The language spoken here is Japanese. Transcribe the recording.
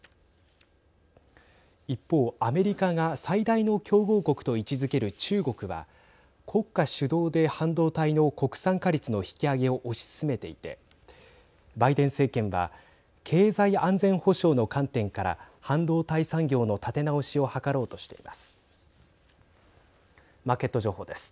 一方、アメリカが最大の強豪国と位置づける中国は国家主導で半導体の国産化率の引き上げを推し進めていて、バイデン政権は経済安全保障の観点から半導体産業の立て直しを図ろうとしています。